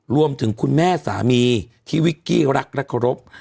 คุณแม่สามีที่วิกกี้รักและเคารพ